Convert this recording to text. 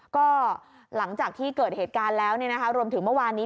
ก็หลังจากที่เกิดเหตุการณ์แล้วรวมถึงเมื่อวานนี้